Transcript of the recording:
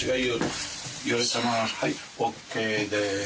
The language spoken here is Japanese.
はいＯＫです。